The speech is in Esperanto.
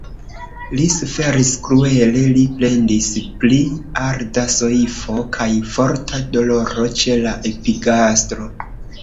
Li suferis kruele; li plendis pri arda soifo kaj forta doloro ĉe la epigastro.